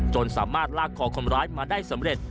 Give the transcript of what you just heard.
จนสามารถลากคอคนร้ายมาได้สำเร็จ